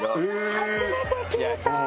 初めて聞いた！